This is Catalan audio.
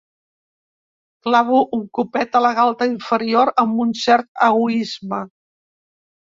Clavo un copet a la galta inferior amb un cert egoïsme.